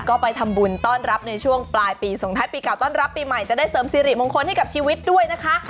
คุณต้อนรับในช่วงปลายปีส่งทัศน์ปีเก่าต้อนรับปีใหม่จะได้เสริมซีรีส์มงคลให้กับชีวิตด้วยนะคะ